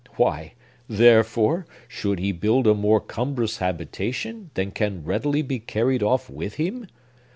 Why, therefore, should he build a more cumbrous habitation than can readily be carried off with him?